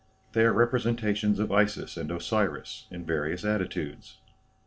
They are representations of Isis and Osiris, in various attitudes.